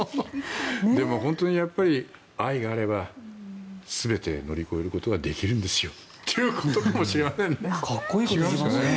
でも、本当に愛があれば全て乗り越えることができるんですよっていうことかもしれないですね。